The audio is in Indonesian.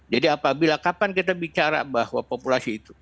jadi apabila kapan kita bicara bahwa populasi itu